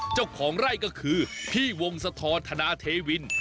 เจ้าของไร่ก็คือพี่วงสะทรธนาเทวิน